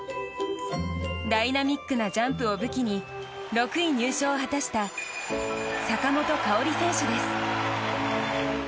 ダイナミックなジャンプを武器に６位入賞を果たした坂本花織選手です。